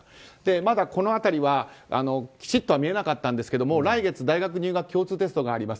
まだこの辺りはきちっとは見えなかったんですが来月大学入学共通テストがあります。